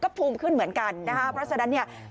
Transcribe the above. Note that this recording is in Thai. ภูมิขึ้นเหมือนกันนะคะเพราะฉะนั้นเนี่ย